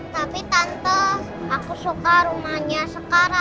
tapi tante aku suka rumahnya sekarang